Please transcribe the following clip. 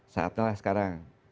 saatnya lah sekarang